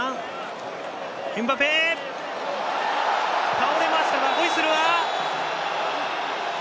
倒れましたがホイッスルは。